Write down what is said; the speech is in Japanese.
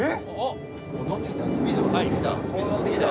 スピード乗ってきたスピード乗ってきた。